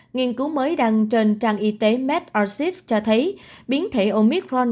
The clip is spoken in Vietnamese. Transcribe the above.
nghiên cứu mới đăng trên trang y tế medr civ cho thấy biến thể omicron